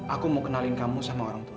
aku mau kenalin kamu sama orangtuaku